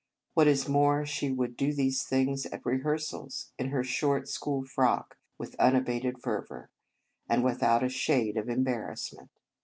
What is more, she would do these things at rehearsals, in her short school frock, with unabated fervour, and without a shade of embarrassment.